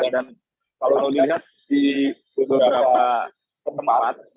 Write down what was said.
kalau lo lihat di beberapa tempat